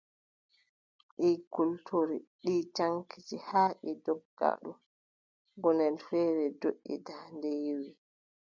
Ɗi kultori, ɗi caŋkiti, haa ɗi ndogga ɗo, gonnel feere doʼi, daande yewi.